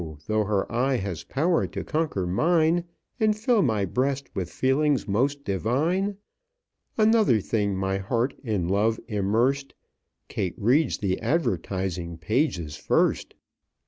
though her eye has power to conquer mine. And fill my breast with feelings most divine, Another thing my heart in love immersed Kate reads the advertising pages first!